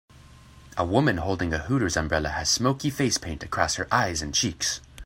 A woman holding a Hooters umbrella has smokey facepaint across her eyes and cheeks.